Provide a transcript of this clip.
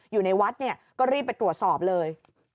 อยู่ในวัดเนี่ยก็รีบไปตรวจสอบเลย